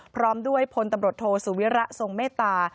พร้อมด้วยพลตำรวจโทสุวิระทรงเมตตา